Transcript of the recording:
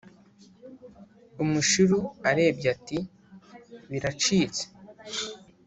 umushiru arebye ati : biracitse